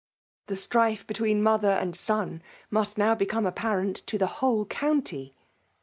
The strife between mother and son must now become apparent to the whole eounty